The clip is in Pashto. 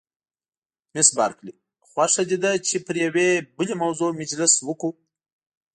مس بارکلي: خوښه دې ده چې پر یوې بلې موضوع مجلس وکړو؟